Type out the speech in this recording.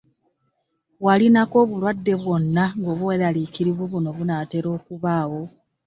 Walinako obulwadde bwonna ng’obweraliikirivu buno bunaatera okubaawo?